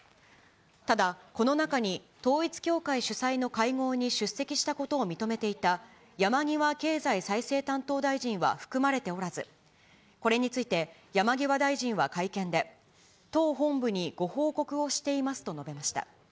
ただ、この中に統一教会主催の会合に出席したことを認めていた山際経済再生担当大臣は含まれておらず、これについて山際大臣は会見で、党本部にご報告をしていますと述べました。